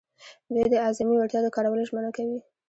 دوی د اعظمي وړتیا د کارولو ژمنه کوي.